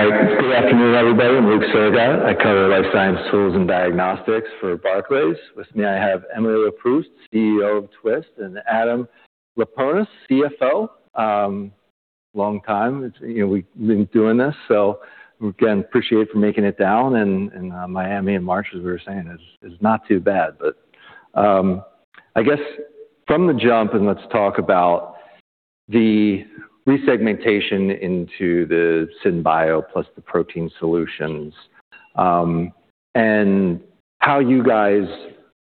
All right. Good afternoon, everybody. I'm Luke Sergott. I cover life science tools and diagnostics for Barclays. With me, I have Emily Leproust, CEO of Twist, and Adam Laponis, CFO. Long time. You know, we've been doing this, so again, appreciate for making it down in Miami and March, as we were saying, is not too bad. I guess from the jump, let's talk about the resegmentation into the SynBio plus the protein solutions, and how you guys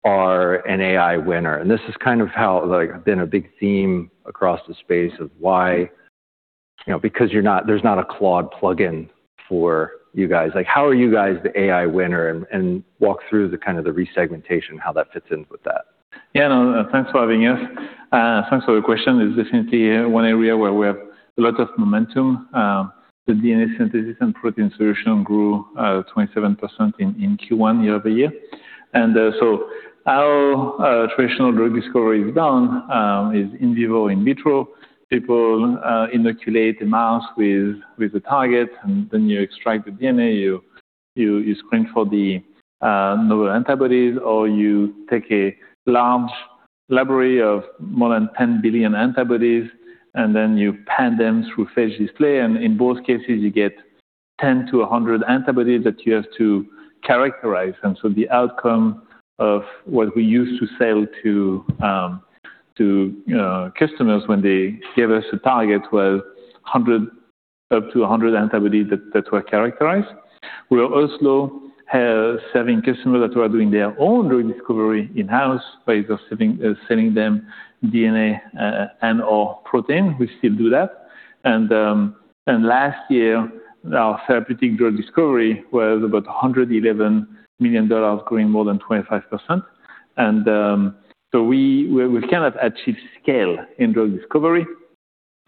are an AI winner. This is kind of how it's been a big theme across the space, why, you know. Because there's not a Claude plugin for you guys. Like, how are you guys the AI winner and walk through the kind of the resegmentation, how that fits in with that. Yeah. No, thanks for having us. Thanks for the question. It's definitely one area where we have a lot of momentum. The DNA synthesis and protein solution grew 27% in Q1 year-over-year. How traditional drug discovery is done is in vivo, in vitro. People inoculate the mouse with the target, and then you extract the DNA. You screen for the novel antibodies, or you take a large library of more than 10 billion antibodies, and then you pan them through phage display. In both cases, you get 10-100 antibodies that you have to characterize. The outcome of what we used to sell to customers when they gave us a target was up to 100 antibodies that were characterized. We are also have serving customers that are doing their own drug discovery in-house by just selling them DNA, and/or protein. We still do that. Last year, our therapeutic drug discovery was about $111 million, growing more than 25%. We cannot achieve scale in drug discovery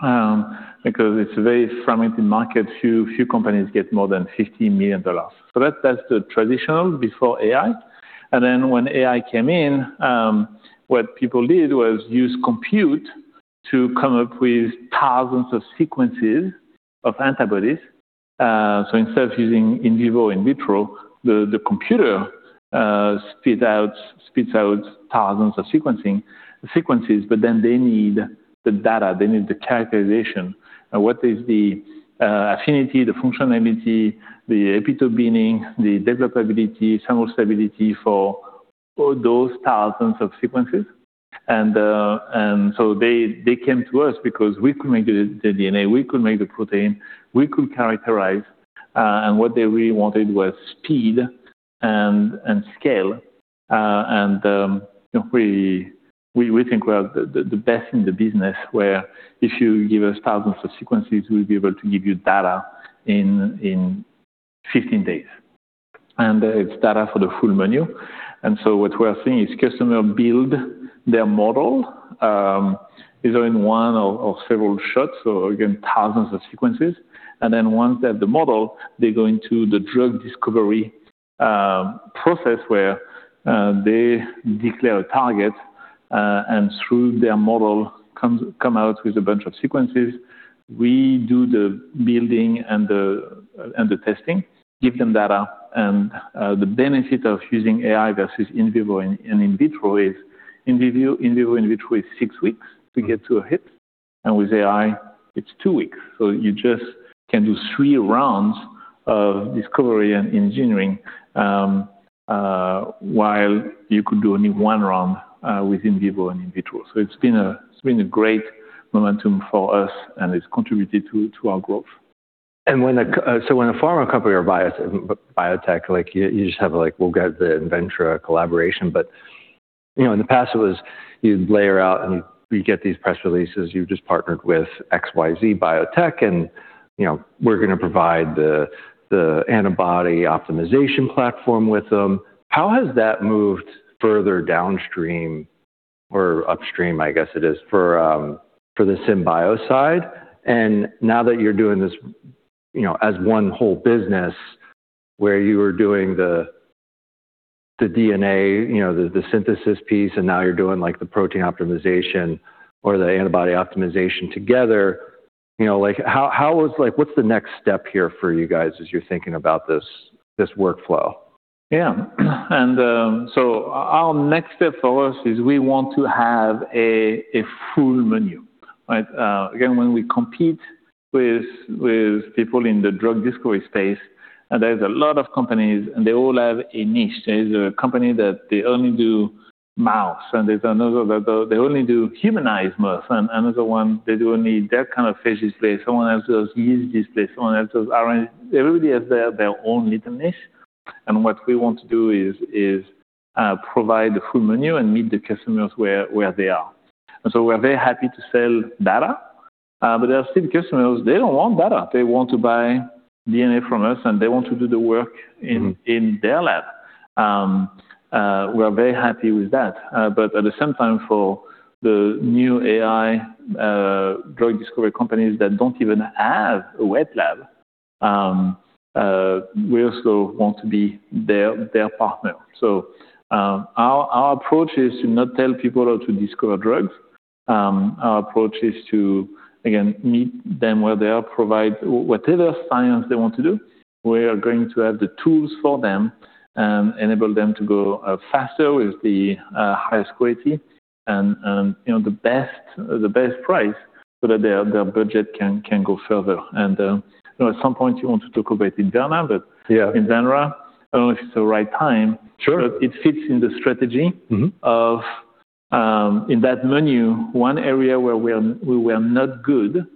because it's a very fragmented market. Few companies get more than $50 million. That's the traditional before AI. When AI came in, what people did was use compute to come up with thousands of sequences of antibodies. Instead of using in vivo, in vitro, the computer spits out thousands of sequences, but then they need the data, they need the characterization. What is the affinity, the functionality, the epitope binding, the developability, thermal stability for all those thousands of sequences. They came to us because we could make the DNA, we could make the protein, we could characterize, and what they really wanted was speed and scale. You know, we think we are the best in the business where if you give us thousands of sequences, we'll be able to give you data in 15 days. It's data for the full menu. What we are seeing is customer build their model either in one or several shots, so again, thousands of sequences. Once they have the model, they go into the drug discovery process where they declare a target and through their model come out with a bunch of sequences. We do the building and the testing, give them data. The benefit of using AI versus in vivo and in vitro is in vivo and in vitro is 6 weeks to get to a hit. With AI, it's 2 weeks. You just can do 3 rounds of discovery and engineering while you could do only 1 round with in vivo and in vitro. It's been a great momentum for us, and it's contributed to our growth. When a pharma company or biotech, like you just have like, we'll get the Invenra collaboration. You know, in the past it was you'd layer out and you get these press releases, you just partnered with XYZ biotech and, you know, we're gonna provide the antibody optimization platform with them. How has that moved further downstream or upstream, I guess it is, for the SynBio side? Now that you're doing this, you know, as one whole business where you were doing the DNA, you know, the synthesis piece and now you're doing like the protein optimization or the antibody optimization together, you know, like how was like what's the next step here for you guys as you're thinking about this workflow? Yeah. Our next step for us is we want to have a full menu, right? Again, when we compete with people in the drug discovery space, and there's a lot of companies, and they all have a niche. There's a company that they only do mouse, and there's another that they only do humanized mouse and another one, they do only that kind of phage display. Someone else does yeast display, someone else does RNA. Everybody has their own little niche. What we want to do is provide the full menu and meet the customers where they are. We're very happy to sell data, but there are still customers, they don't want data. They want to buy DNA from us, and they want to do the work in. in their lab. We are very happy with that. At the same time, for the new AI drug discovery companies that don't even have a wet lab, we also want to be their partner. Our approach is not to tell people how to discover drugs. Our approach is to again meet them where they are, provide whatever science they want to do. We are going to have the tools for them and enable them to go faster with the highest quality and, you know, the best price so that their budget can go further. You know, at some point you want to talk about Invenra, but. Yeah. Invenra, I don't know if it's the right time. Sure. It fits in the strategy. In that menu, one area where we were not good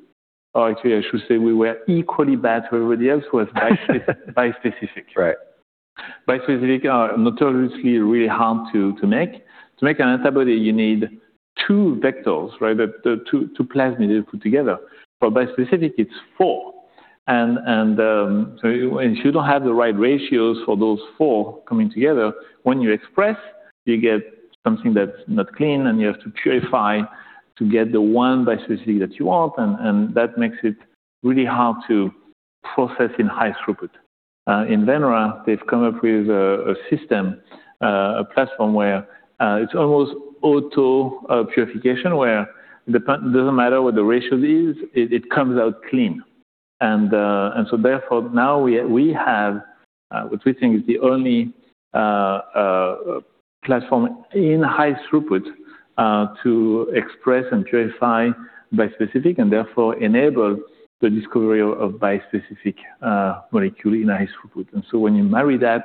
or actually I should say we were equally bad to everybody else was bispecific. Right. Bispecifics are notoriously really hard to make. To make an antibody, you need two vectors, right? The two plasmids put together. For bispecific, it's four. If you don't have the right ratios for those four coming together, when you express, you get something that's not clean, and you have to purify to get the one bispecific that you want. That makes it really hard to process in high throughput. Invenra, they've come up with a system, a platform where it's almost auto purification where it doesn't matter what the ratio is, it comes out clean. Therefore now we have what we think is the only platform in high throughput to express and purify bispecific and therefore enable the discovery of bispecific molecule in high throughput. When you marry that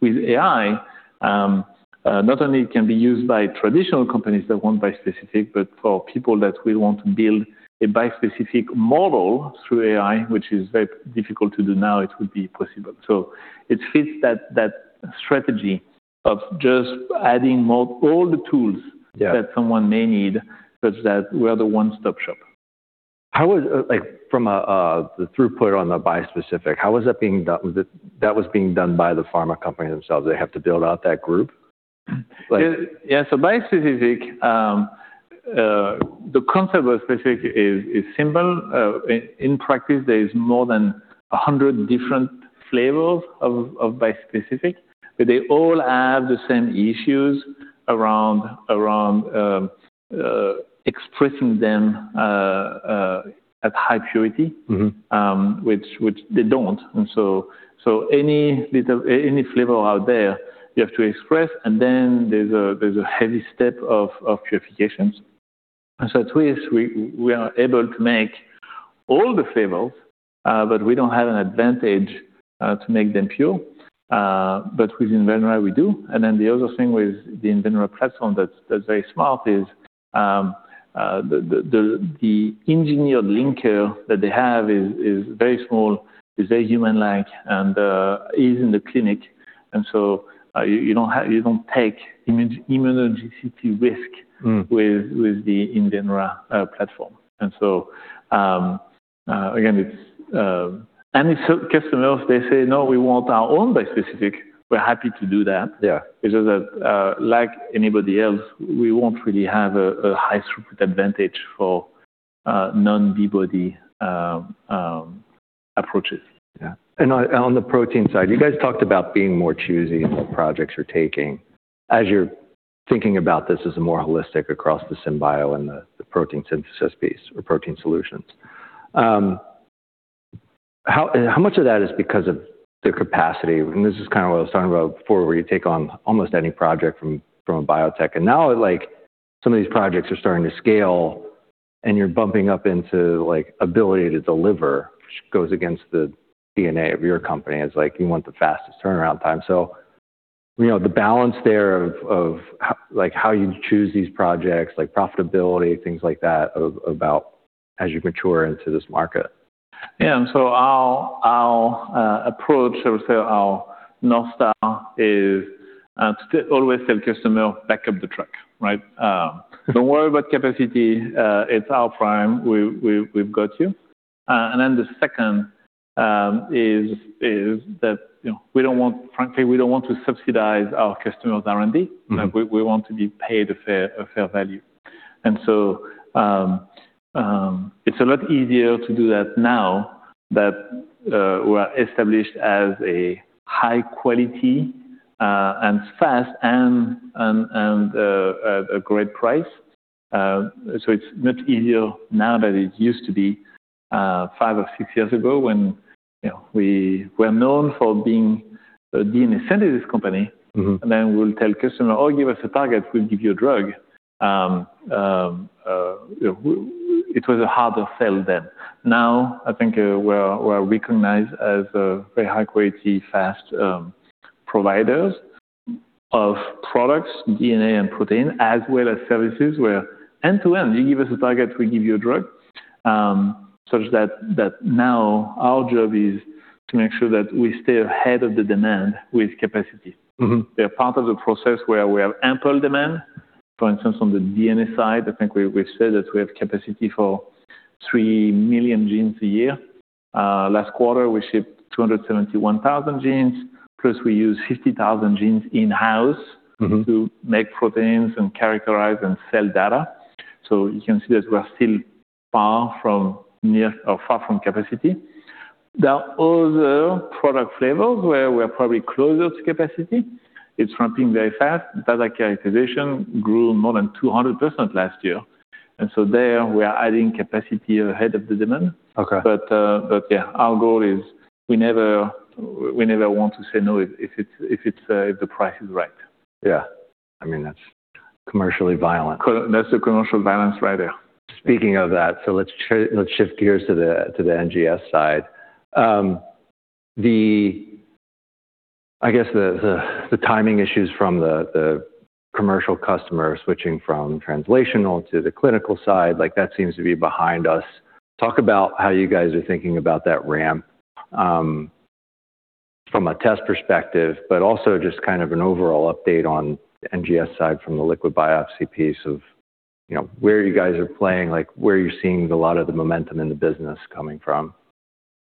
with AI, not only it can be used by traditional companies that want bispecific, but for people that will want to build a bispecific model through AI, which is very difficult to do now, it would be possible. It fits that strategy of just adding more all the tools. Yeah. That someone may need such that we're the one-stop shop. How was, like from a, the throughput on the bispecific, how was that being done? Was it that was being done by the pharma company themselves? They have to build out that group? Bispecific, the concept of bispecific is simple. In practice there is more than 100 different flavors of bispecific, but they all have the same issues around expressing them at high purity. Which they don't. Any flavor out there you have to express, and then there's a heavy step of purifications. At Twist, we are able to make all the flavors, but we don't have an advantage to make them pure. But with Invenra we do. The other thing with the Invenra platform that's very smart is the engineered linker that they have is very small, is very human-like, and is in the clinic. You don't take immunogenicity risk. With the Invenra platform. Again, if our customers say, "No, we want our own bispecific," we're happy to do that. Yeah. It's just that, like anybody else, we won't really have a high throughput advantage for non-B-Body approaches. Yeah. On the protein side, you guys talked about being more choosy in what projects you're taking. As you're thinking about this as a more holistic across the SynBio and the protein synthesis piece or protein solutions, how much of that is because of the capacity? This is kind of what I was talking about before, where you take on almost any project from a biotech, and now like some of these projects are starting to scale and you're bumping up into like ability to deliver, which goes against the DNA of your company as like you want the fastest turnaround time. You know, the balance there of like how you choose these projects like profitability, things like that about as you mature into this market. Yeah. Our approach, I would say, our north star is to always tell customer back up the truck, right? Don't worry about capacity. It's our prime. We've got you. And then the second is that, you know, we don't want, frankly, we don't want to subsidize our customer's R&D. Like we want to be paid a fair value. It's a lot easier to do that now that we're established as a high quality and fast and a great price. It's much easier now than it used to be five or six years ago when you know we were known for being a DNA synthesis company. We'll tell customer, "Oh, give us a target, we'll give you a drug." It was a harder sell then. Now I think, we're recognized as a very high quality, fast providers of products, DNA and protein, as well as services where end-to-end, you give us a target, we give you a drug. Such that now our job is to make sure that we stay ahead of the demand with capacity. We are part of the process where we have ample demand. For instance, on the DNA side, I think we've said that we have capacity for 3 million genes a year. Last quarter we shipped 271,000 genes, plus we use 50,000 genes in-house. To make proteins and characterize and sell data. You can see that we're still far from capacity. There are other product flavors where we're probably closer to capacity. It's ramping very fast. Data characterization grew more than 200% last year, and so there we are adding capacity ahead of the demand. Okay. Yeah, our goal is we never want to say no if the price is right. Yeah. I mean, that's commercially viable. That's the commercial viability right there. Speaking of that, let's shift gears to the NGS side. I guess the timing issues from the commercial customer switching from translational to the clinical side, like that seems to be behind us. Talk about how you guys are thinking about that ramp from a test perspective, but also just kind of an overall update on the NGS side from the liquid biopsy piece of, you know, where you guys are playing, like where are you seeing a lot of the momentum in the business coming from?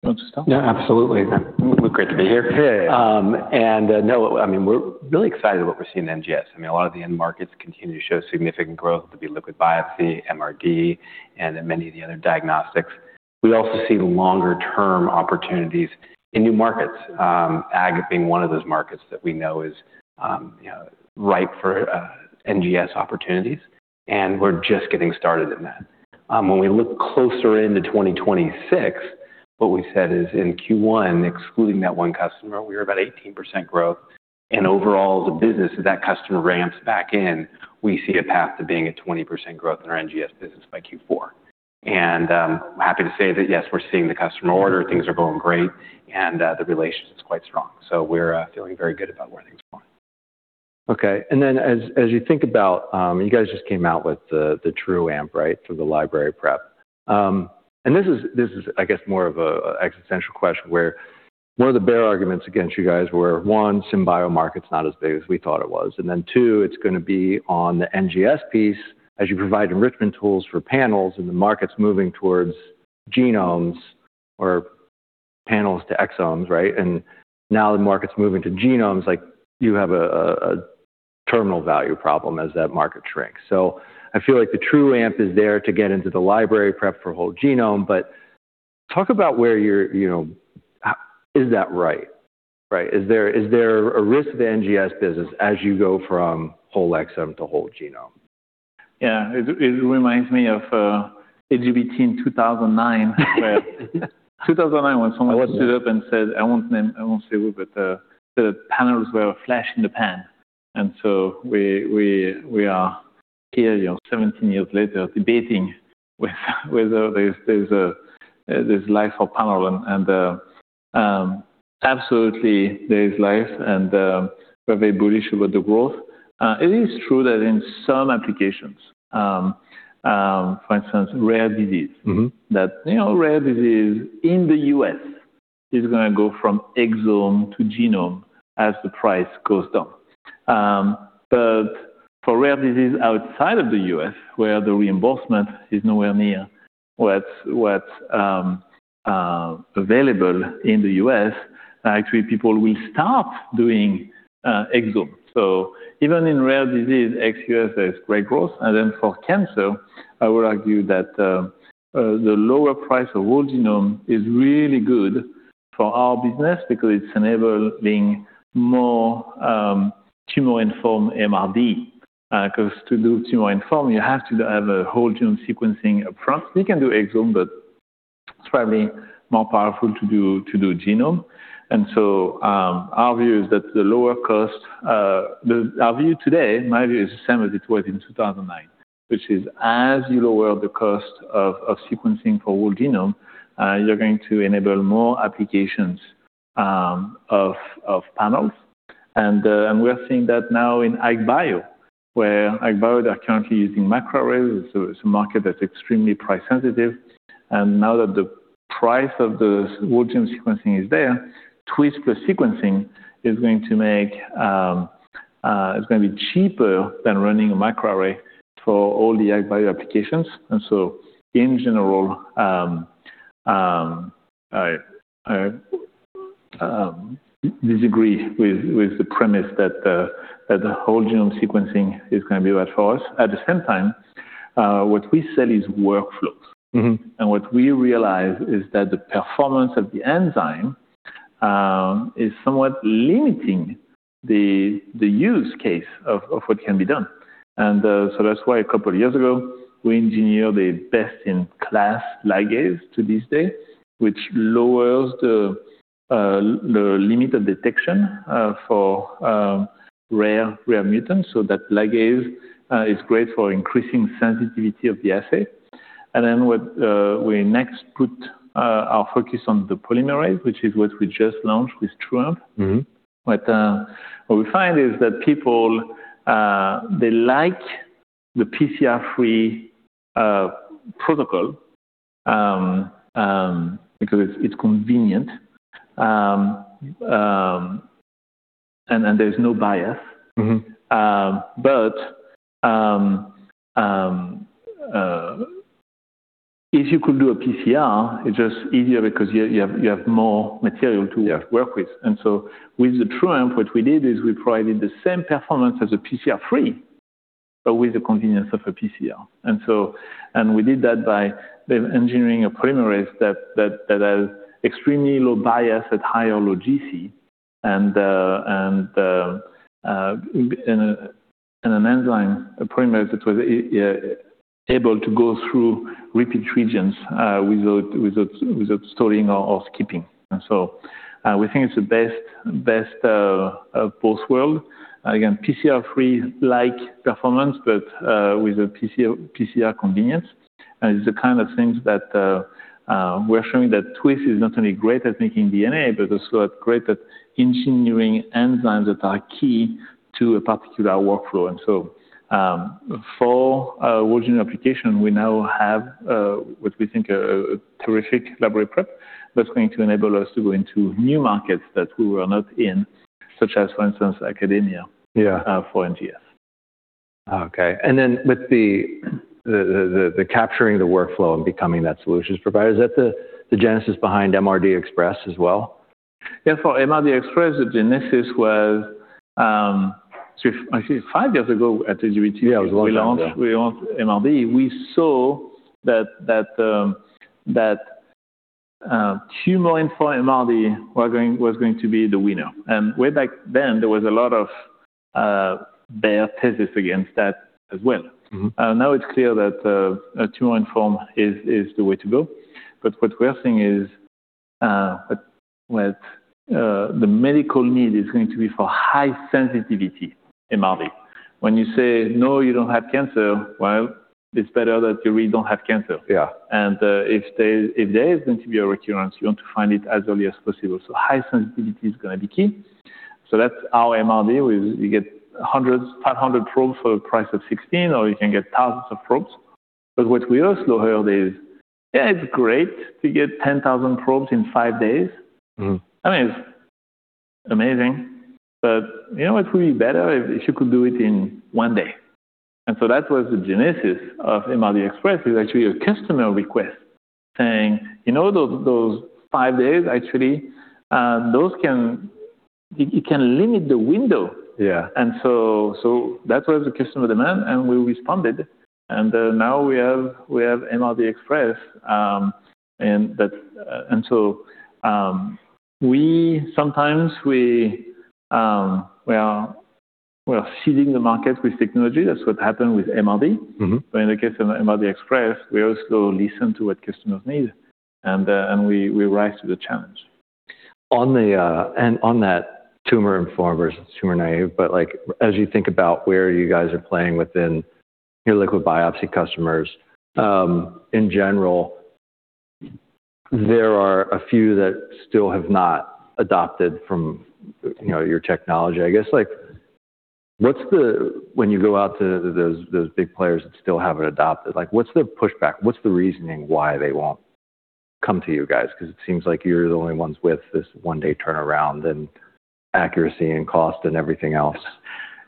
You want to start? Yeah, absolutely. Great to be here. Yeah, yeah. No, I mean, we're really excited what we're seeing in NGS. I mean, a lot of the end markets continue to show significant growth to be liquid biopsy, MRD, and then many of the other diagnostics. We also see longer-term opportunities in new markets, ag being one of those markets that we know is, you know, ripe for NGS opportunities, and we're just getting started in that. When we look closer into 2026, what we said is in Q1, excluding that one customer, we were about 18% growth. Overall the business, as that customer ramps back in, we see a path to being at 20% growth in our NGS business by Q4. I'm happy to say that, yes, we're seeing the customer order, things are going great, and the relationship is quite strong. We're feeling very good about where things are going. Okay. As you think about, you guys just came out with the TrueAmp, right, for the library prep. This is I guess more of a existential question where one of the bear arguments against you guys were, one, SynBio market's not as big as we thought it was, and then two, it's going to be on the NGS piece as you provide enrichment tools for panels and the market's moving towards genomes or panels to exomes, right? Now the market's moving to genomes, like you have a terminal value problem as that market shrinks. I feel like the TrueAmp is there to get into the library prep for whole genome. Talk about where you're, you know. Is that right? Right. Is there a risk to the NGS business as you go from whole exome to whole genome? Yeah. It reminds me of AGBT in 2009 when someone stood up and said I won't say who, but the panels were a flash in the pan. We are here, you know, 17 years later debating whether there's life for panel. Absolutely there is life and we're very bullish about the growth. It is true that in some applications, for instance, rare disease. That, you know, rare disease in the U.S. is gonna go from exome to genome as the price goes down. For rare disease outside of the U.S., where the reimbursement is nowhere near what's available in the U.S., actually people will stop doing exome. Even in rare disease, ex-U.S., there's great growth. For cancer, I would argue that the lower price of whole genome is really good for our business because it's enabling more tumor-informed MRD. 'Cause to do tumor-informed, you have to have a whole genome sequencing upfront. We can do exome, but it's probably more powerful to do genome. My view is the same as it was in 2009, which is as you lower the cost of sequencing for whole genome, you're going to enable more applications of panels. We are seeing that now in AgBio, where AgBio, they're currently using microarray. It's a market that's extremely price sensitive. Now that the price of the whole genome sequencing is there, Twist plus sequencing is going to be cheaper than running a microarray for all the AgBio applications. In general, I disagree with the premise that the whole genome sequencing is going to be right for us. At the same time, what we sell is workflows. What we realize is that the performance of the enzyme is somewhat limiting the use case of what can be done. That's why a couple of years ago, we engineered a best-in-class ligase to this day, which lowers the limit of detection for rare mutants, so that ligase is great for increasing sensitivity of the assay. We next put our focus on the polymerase, which is what we just launched with TrueAmp. What we find is that people, they like the PCR-free protocol because it's convenient and then there's no bias. If you could do a PCR, it's just easier because you have more material to work with. With the TrueAmp, what we did is we provided the same performance as a PCR-free, but with the convenience of a PCR. We did that by engineering a polymerase that has extremely low bias at high or low GC, and a polymerase that was able to go through repeat regions without stalling or skipping. We think it's the best of both worlds. Again, PCR-free-like performance, but with a PCR convenience. It's the kind of things that we're showing that Twist is not only great at making DNA, but also are great at engineering enzymes that are key to a particular workflow. For NGS application, we now have what we think a terrific library prep that's going to enable us to go into new markets that we were not in, such as, for instance, academia. Yeah. For NGS. Okay. With the capturing the workflow and becoming that solutions provider, is that the genesis behind MRD Express as well? Yeah. For MRD Express, the genesis was, so actually five years ago at AGBT. Yeah, it was a long time ago. We launched MRD. We saw that tumor-informed MRD was going to be the winner. Way back then, there was a lot of bear thesis against that as well. Now it's clear that a tumor-informed is the way to go. What we are seeing is that the medical need is going to be for high sensitivity MRD. When you say, "No, you don't have cancer," well, it's better that you really don't have cancer. Yeah. If there is going to be a recurrence, you want to find it as early as possible. High sensitivity is gonna be key. That's our MRD. You get 100, 500 probes for the price of 16, or you can get thousands of probes. But what we also heard is, "Yeah, it's great to get 10,000 probes in 5 days. I mean, it's amazing, but you know what would be better? If you could do it in one day. That was the genesis of MRD Express, is actually a customer request saying, "You know, those five days, actually, it can limit the window. Yeah. That was the customer demand, and we responded, and now we have MRD Express. Sometimes we are seeding the market with technology. That's what happened with MRD. In the case of MRD Express, we also listen to what customers need and we rise to the challenge. On that tumor-informed versus tumor-naive, but like, as you think about where you guys are playing within your liquid biopsy customers, in general, there are a few that still have not adopted from, you know, your technology. I guess, like, when you go out to those big players that still haven't adopted, like, what's their pushback? What's the reasoning why they won't come to you guys? 'Cause it seems like you're the only ones with this one-day turnaround and accuracy and cost and everything else.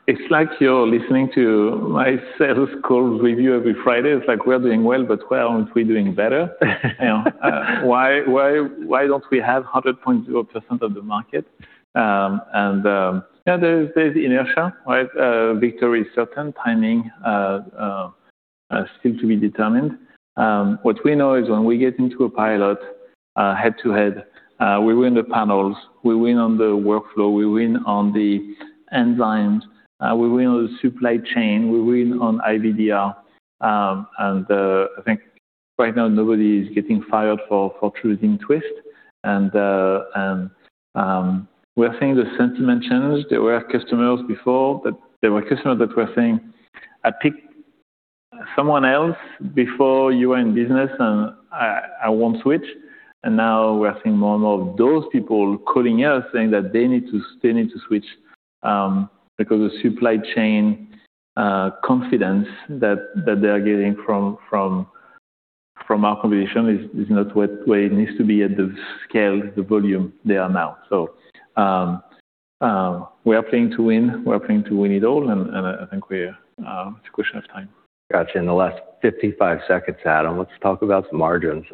It's like you're listening to my sales call review every Friday. It's like, we're doing well, but why aren't we doing better? You know, why don't we have 100% of the market? Yeah, there's inertia, right? Victory is certain, timing still to be determined. What we know is when we get into a pilot, head-to-head, we win the panels, we win on the workflow, we win on the enzymes, we win on the supply chain, we win on IVDR. I think right now nobody is getting fired for choosing Twist. We are seeing the sentiment change. There were customers that were saying, "I picked someone else before you were in business, and I won't switch." Now we are seeing more and more of those people calling us, saying that they need to switch because the supply chain confidence that they are getting from our combination is not where it needs to be at the scale, the volume they are now. We are playing to win, we're playing to win it all, and I think it's a question of time. Gotcha. In the last 55 seconds, Adam Laponis, let's talk about some margins.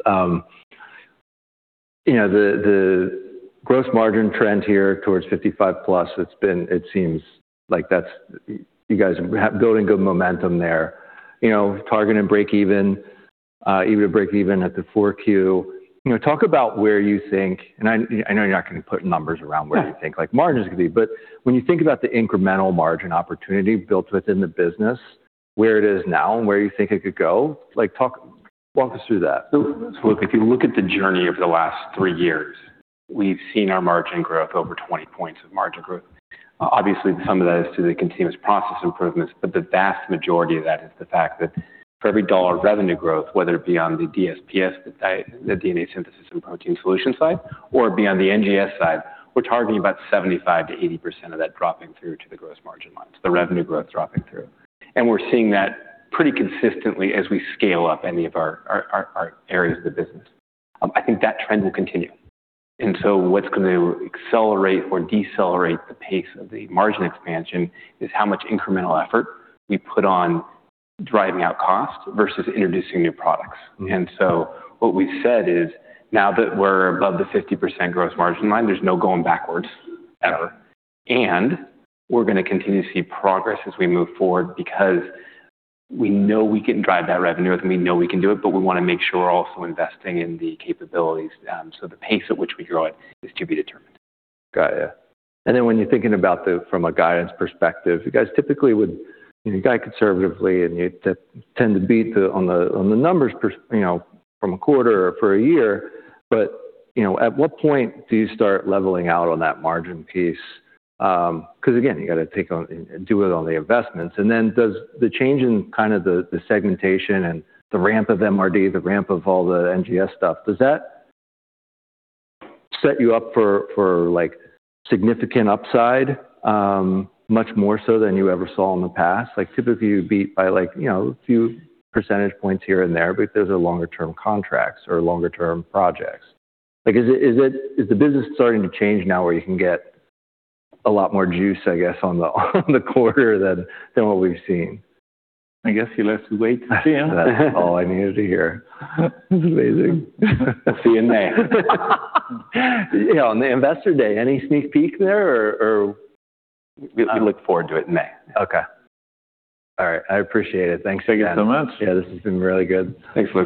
You know, the gross margin trend here towards 55%+, it seems like that's you guys been building good momentum there. You know, targeting breakeven, even breakeven at the 4Q. You know, talk about where you think. I know you're not gonna put numbers around where you think. Yeah. Like margins are gonna be, but when you think about the incremental margin opportunity built within the business, where it is now and where you think it could go, like, walk us through that? If you look at the journey over the last three years, we've seen our margin growth over 20 points of margin growth. Obviously, some of that is due to the continuous process improvements, but the vast majority of that is the fact that for every dollar of revenue growth, whether it be on the DSPS, the DNA synthesis and protein solution side or be on the NGS side, we're targeting about 75%-80% of that dropping through to the gross margin line, so the revenue growth dropping through. We're seeing that pretty consistently as we scale up any of our areas of the business. I think that trend will continue. What's gonna accelerate or decelerate the pace of the margin expansion is how much incremental effort we put on driving out cost versus introducing new products. What we've said is, now that we're above the 50% gross margin line, there's no going backwards ever. We're gonna continue to see progress as we move forward because we know we can drive that revenue, and we know we can do it, but we wanna make sure we're also investing in the capabilities. The pace at which we grow it is to be determined. Got it. When you're thinking about the, from a guidance perspective, you guys typically would, you know, guide conservatively, and you tend to beat them on the numbers, you know, from a quarter or for a year. You know, at what point do you start leveling out on that margin piece? 'Cause again, you gotta take on and do it on the investments. Does the change in kind of the segmentation and the ramp of MRD, the ramp of all the NGS stuff, set you up for, like, significant upside, much more so than you ever saw in the past? Like, typically, you beat by like, you know, a few percentage points here and there, but those are longer term contracts or longer term projects. Like, is the business starting to change now where you can get a lot more juice, I guess, on the quarter than what we've seen? I guess you'll have to wait and see. That's all I needed to hear. That's amazing. See you in May. Yeah, on the Investor Day. Any sneak peek there or. We look forward to it in May. Okay. All right. I appreciate it. Thanks again. Thank you so much. Yeah, this has been really good. Thanks, Luke.